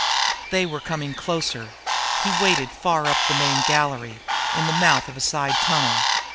They were coming closer. He waited far up in the main gallery, in the mouth of a side tunnel.